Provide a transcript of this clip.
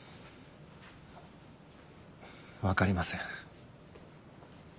分かりません。